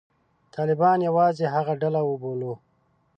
طالبان یوازې هغه ډله وبولو.